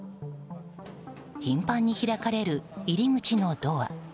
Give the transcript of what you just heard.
頻繁に開かれる入り口のドア。